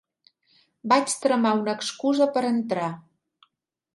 Vaig tramar una excusa per entrar.